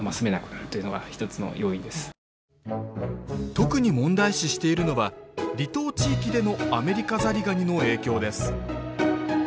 特に問題視しているのは離島地域でのアメリカザリガニの影響です